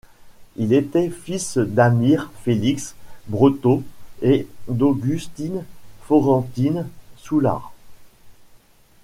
Il était fils d'Almire Félix Breteau et d'Augustine Florentine Soulard.